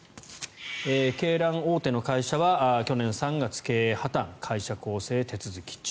鶏卵大手の会社は去年３月、経営破たん会社更生手続き中。